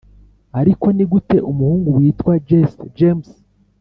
ariko nigute umuhungu witwa jesse james